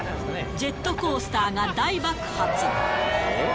ジェットコースターが大爆発。